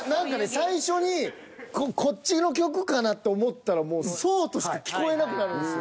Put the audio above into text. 最初にこっちの曲かなって思ったらもうそうとしか聞こえなくなるんですよ。